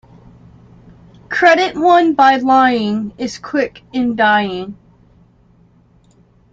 Credit won by lying is quick in dying.